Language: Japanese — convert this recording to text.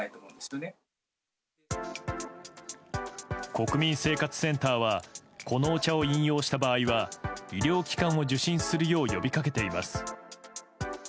国民生活センターはこのお茶を飲用した場合は医療機関を受診するよう呼びかけています。